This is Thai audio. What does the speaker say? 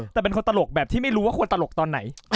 แต่เป็นคนตลกแบบที่ไม่รู้ว่าควรตลกตอนไหน